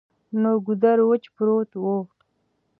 نو ګودر وچ پروت وو ـ